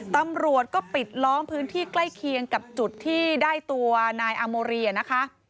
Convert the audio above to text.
ตำรวจก็ปิดล้อมพื้นที่ใกล้เคียงกับจุดที่ได้ตัวนายอาโมรีนะคะ